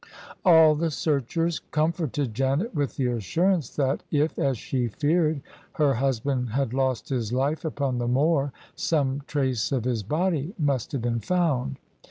All the searchers comforted Janet with the assurance that if — ^as she feared — ^her husband had lost his life upon the moor, some trace of his body must have been found.